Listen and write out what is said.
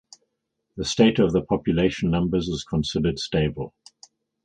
The state of the population numbers is considered stable.